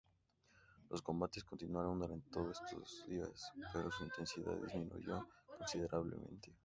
Los combates continuaron durante todos estos días, pero su intensidad disminuyó considerablemente.